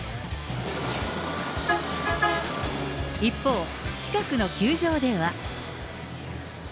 一方、近くの球場では。